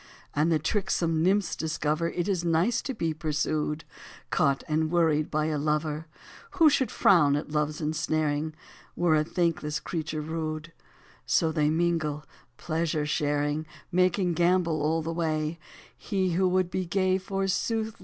72 And the tricksome nymphs discover It is nice to be pursued, Caught and worried by a lover ; Who should frown at Love's ensnaring Were a thankless creature rude ; So they mingle, pleasure sharing, Making gambol all the way : He who would be gay, forsooth.